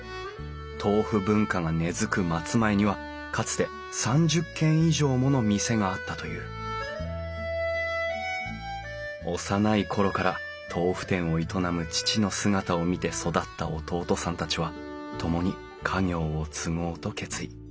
豆腐文化が根づく松前にはかつて３０軒以上もの店があったという幼い頃から豆腐店を営む父の姿を見て育った弟さんたちは共に家業を継ごうと決意。